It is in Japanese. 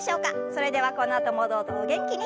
それではこのあともどうぞお元気に。